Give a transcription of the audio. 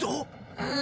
うん。